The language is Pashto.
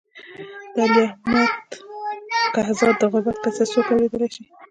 د علي احمد کهزاد د غربت کیسه څوک اورېدای شي.